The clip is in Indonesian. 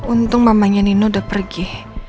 untung mamanya nino udah pergi